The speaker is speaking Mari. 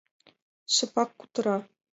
Шыпак кутыра.